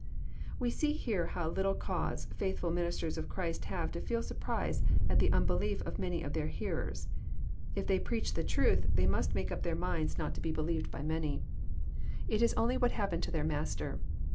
'* We see here how little cause faithfhl ministers of Christ have to feel surprise at the unbelief of many of their hearers. If they preach the truth, they must make up their minds not to 90BS, CBAP. Tin. 121 be believed by many. It is only what happened to their Mas ter.